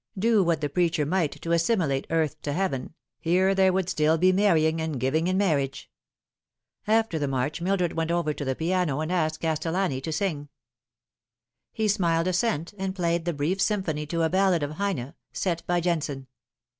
Do what the preacher might to assimilate earth to heaven, here there would still be marrying and giving in marriage. After the march Mildred went over to the piano and asked Castellani to sing. He smiled assent, and played the brief symphony to a ballad of Heine's, set by Jensen.